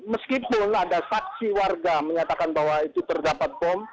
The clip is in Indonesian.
meskipun ada saksi warga menyatakan bahwa itu terdapat bom